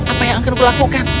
apa yang akan kulakukan